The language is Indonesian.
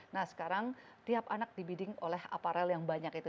nah sekarang tiap anak di bidding oleh aparel yang banyak itu